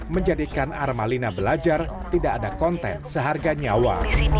menjadikan armalina belajar tidak ada konten seharga nyawa